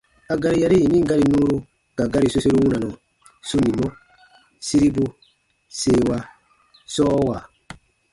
A gari yari yinin gari nuuru ka gari soseru wunanɔ: sunimɔ- siribu- seewa- sɔɔwa.